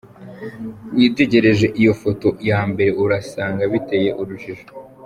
Witegereje iyo foto ya mbere, urasanga biteye urujijo.